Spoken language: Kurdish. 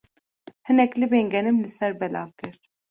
Hinek libên genim li ser belav kir.